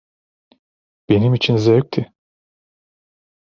Benim için zevkti.